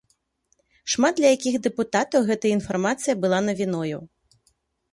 Шмат для якіх дэпутатаў гэтая інфармацыя была навіною.